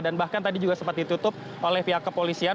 dan bahkan tadi juga sempat ditutup oleh pihak kepolisian